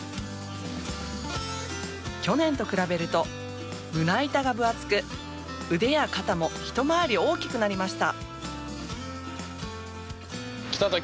去年と比べると、胸板が分厚く腕や肩もひと回り大きくなりました。